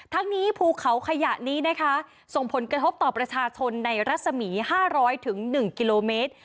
ทั้งนี้ภูเขาขยะนี้นะคะส่งผลกระทบต่อประชาชนในรัศมีห้าร้อยถึงหนึ่งกิโลเมตร